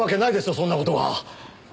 そんな事が。